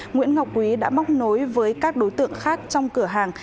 nguyễn ngọc quý đã móc nối với các đối tượng khác trong cửa hàng